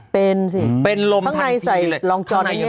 เป็นสิข้างในใส่รองจอดแบบนี้